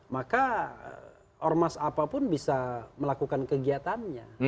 maka ormas apapun bisa melakukan kegiatannya